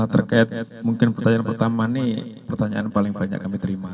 terkait mungkin pertanyaan pertama ini pertanyaan paling banyak kami terima